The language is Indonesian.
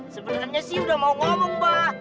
sebenarnya sih udah mau ngomong mbak